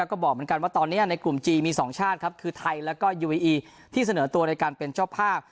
ก็บอกเหมือนกันว่าตอนนี้ในกลุ่มจีนมี๒ชาติครับคือไทยแล้วก็ยูเออีที่เสนอตัวในการเป็นเจ้าภาพ